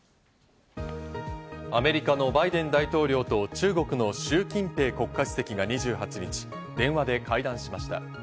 アメリカのバイデン大統領と、中国のシュウ・キンペイ国家主席が２８日、電話で会談しました。